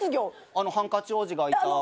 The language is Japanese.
あのハンカチ王子がいた。